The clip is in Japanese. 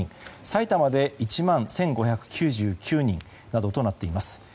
埼玉で１万１５９９人などとなっています。